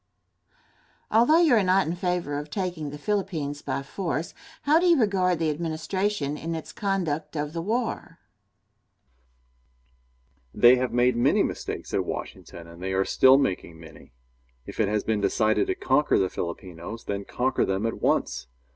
Question. Although you are not in favor of taking the Philippines by force, how do you regard the administration in its conduct of the war? Answer. They have made many mistakes at Washington, and they are still making many. If it has been decided to conquer the Filipinos, then conquer them at once.